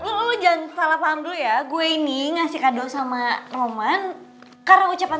lalu jangan salah paham dulu ya gue ini ngasih kado sama roman karena ucapan